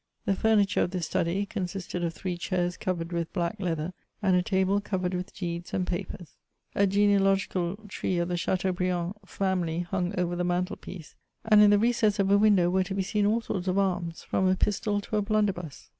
The furniture of this study consisted of three chairs covered with black leather, and a table covered with deeds and papers. A genealogical tree of the Chateaubriand family hung over the mantel piece, and in the recess of a window were to be seen all sorts of arms, from a pistol to a blunderbuss.